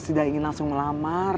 tidak ingin langsung melamar